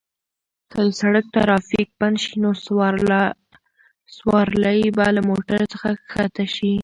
که د سړک ترافیک بند شي نو سوارلۍ به له موټر څخه کښته شي.